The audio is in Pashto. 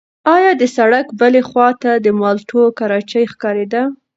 ایا د سړک بلې خوا ته د مالټو کراچۍ ښکارېده؟